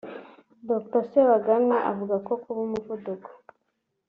Dr Sebaganwa avuga ko kuba umuvuduko